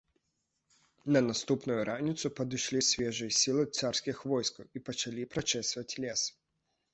На наступную раніцу падышлі свежыя сілы царскіх войскаў і пачалі прачэсваць лес.